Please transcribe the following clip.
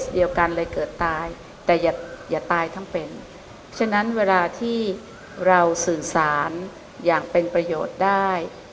เดียวกันเลยเกิดตายแต่อย่าตายทั้งเป็นฉะนั้นเวลาที่เราสื่อสารอย่างเป็นประโยชน์ได้